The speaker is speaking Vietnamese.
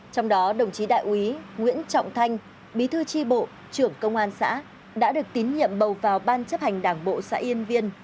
trong đó đồng chí đại úy nguyễn trọng thanh bí thư tri bộ trưởng công an xã đã được tín nhiệm bầu vào ban chấp hành đảng bộ xã yên viên